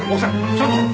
ちょっと！